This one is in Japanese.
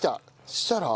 そしたら？